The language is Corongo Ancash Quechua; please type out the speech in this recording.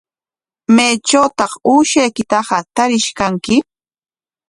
¿Maytrawtaq uushaykitaqa tarish kanki?